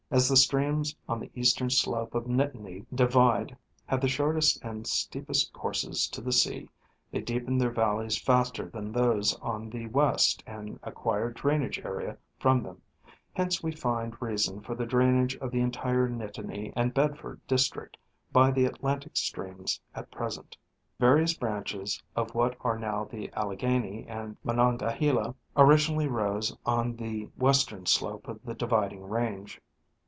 As the streams on the eastern slope of the Nittany divide had the shortest and steepest courses to the sea, they deepened their valleys faster than those on the west and acquired drainage area from them ; hence we find reason for the drainage of the entire Nittany and Bedford district by the Atlantic streams at present. Various branches of what are now the Alleghany and Monongahela originally rose on the western slope of the dividing range.